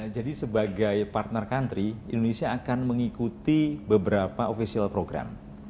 jadi sebagai partner country indonesia akan mengikuti beberapa official program